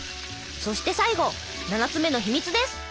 そして最後７つ目の秘密です！